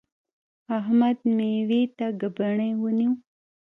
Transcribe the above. احمد؛ مېوې ته ګبڼۍ ونیو.